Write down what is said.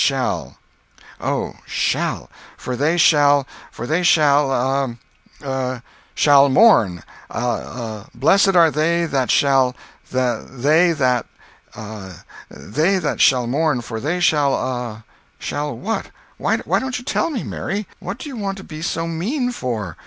"Shall!" "Oh, shall! for they shall—for they shall—a—a—shall mourn—a—a—blessed are they that shall—they that—a—they that shall mourn, for they shall—a—shall what? Why don't you tell me, Mary?—what do you want to be so mean for?"